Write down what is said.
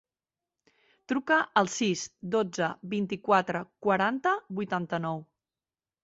Truca al sis, dotze, vint-i-quatre, quaranta, vuitanta-nou.